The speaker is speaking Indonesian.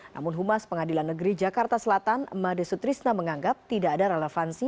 namun humas pengadilan negeri jakarta selatan made sutrisna menganggap tidak ada relevansi